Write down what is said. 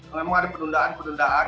memang ada pendundaan pendundaan